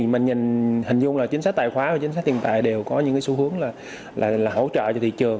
mình nhìn hình dung là chính sách tài khoá và chính sách tiền tài đều có những xu hướng là hỗ trợ cho thị trường